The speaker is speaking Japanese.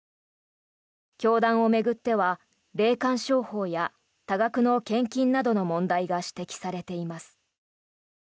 教団を巡っては霊感商法や多額の献金などの問題が指摘されています。